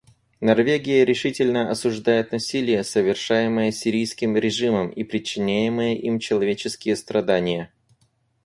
Норвегия решительно осуждает насилие, совершаемое сирийским режимом, и причиняемые им человеческие страдания.